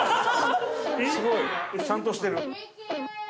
すごい。ちゃんとしてる。